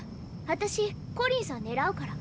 私コリンさんねらうから。